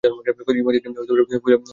Emergency fuel select করো!